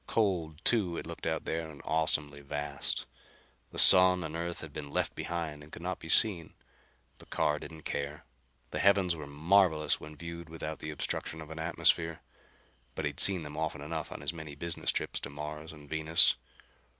Cold, too, it looked out there, and awesomely vast. The sun and Earth had been left behind and could not be seen. But Carr didn't care. The heavens were marvelous when viewed without the obstruction of an atmosphere. But he'd seen them often enough on his many business trips to Mars and Venus.